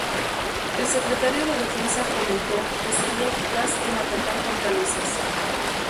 El Secretario de Defensa comentó que sería eficaz en atacar fortalezas.